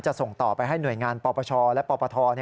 ส่งต่อไปให้หน่วยงานปปชและปปท